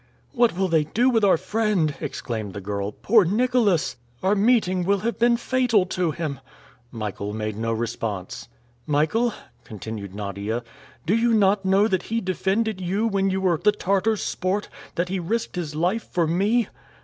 "What will they do with our friend?" exclaimed the girl. "Poor Nicholas! Our meeting will have been fatal to him!" Michael made no response. "Michael," continued Nadia, "do you not know that he defended you when you were the Tartars' sport; that he risked his life for me?"